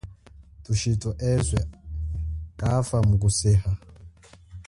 Thushithu eswe kafa muku seha.